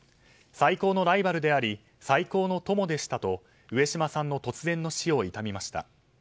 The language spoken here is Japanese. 最高のライバルであり最高の友でしたと上島さんの突然の死を悼みました。